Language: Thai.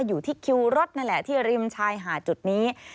อยู่ที่คิวรถนั่นแหละที่ริมชายหาดจุดนี้